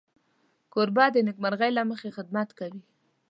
کوربه د نېکمرغۍ له مخې خدمت کوي.